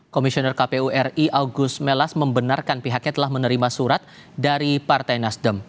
komisioner kpu ri agus melas membenarkan pihaknya telah menerima surat dari partai nasdem